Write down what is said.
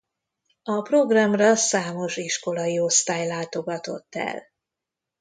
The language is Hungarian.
A programra számos iskolai osztály látogatott el.